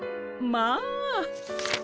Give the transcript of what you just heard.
まあ！